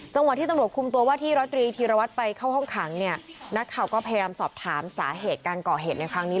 จังหวะที่ตำรวจคุมตัวว่าที่ร้อยตรีธีรวัตรไปเข้าห้องขังเนี่ยนักข่าวก็พยายามสอบถามสาเหตุการก่อเหตุในครั้งนี้